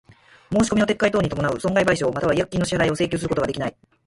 申込みの撤回等に伴う損害賠償又は違約金の支払を請求することができない。